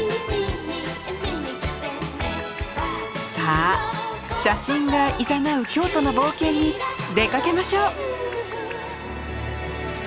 さあ写真がいざなう京都の冒険に出かけましょう。